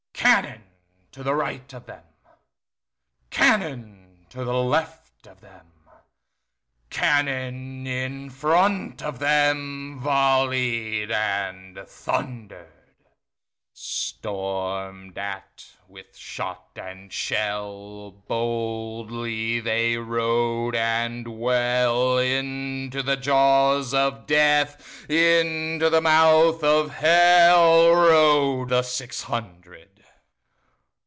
Cannon to right of them, Cannon to left of them, Cannon in front of themVolley'd and thunder'd; Storm'd at with shot and shell, Boldly they rode and well, Into the jaws of Death, Into the mouth of HellRode the six hundred.